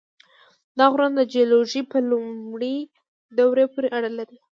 دا غرونه د جیولوژۍ په لومړۍ دورې پورې اړه لري.